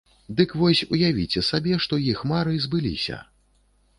Дык вось, уявіце сабе, што іх мары збыліся.